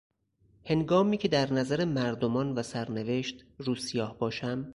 هنگامی که در نظر مردمان و سرنوشت روسیاه باشم...